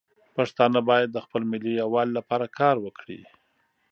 پښتانه باید د خپل ملي یووالي لپاره کار وکړي.